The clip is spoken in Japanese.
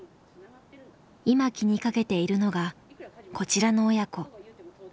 今気にかけているのがこちらの親子。